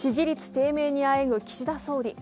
低迷にあえぐ岸田総理。